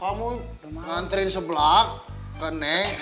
kamu nganterin sebelah ke neng